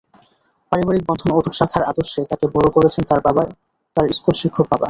পারিবারিক বন্ধন অটুট রাখার আদর্শে তাঁকে বড়ো করেছেন তার স্কুল শিক্ষক বাবা।